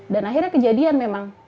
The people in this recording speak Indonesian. dan akhirnya kejadian memang